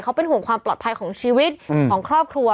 เขาเป็นห่วงความปลอดภัยของชีวิตของครอบครัว